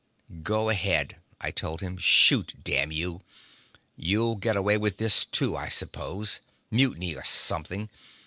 "Go ahead," I told him. "Shoot, damn you! You'll get away with this, too, I suppose. Mutiny, or something.